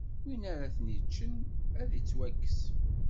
Win ara ten-iččen, ad ittwakkes.